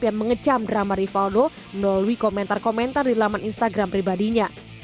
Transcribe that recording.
yang mengecam drama rivaldo melalui komentar komentar di laman instagram pribadinya